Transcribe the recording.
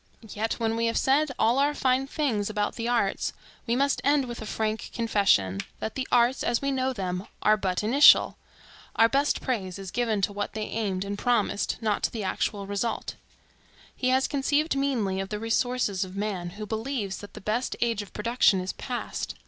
Yet when we have said all our fine things about the arts, we must end with a frank confession, that the arts, as we know them, are but initial. Our best praise is given to what they aimed and promised, not to the actual result. He has conceived meanly of the resources of man, who believes that the best age of production is past.